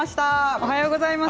おはようございます。